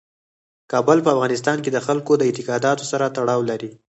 کابل په افغانستان کې د خلکو د اعتقاداتو سره تړاو لري.